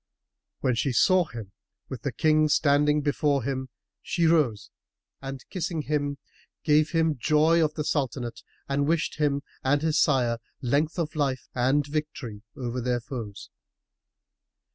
When she saw him, with the King standing before him, she rose and kissing him, gave him joy of the Sultanate and wished him and his sire length of life and victory over their foes.